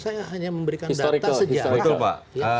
saya hanya memberikan data sejarah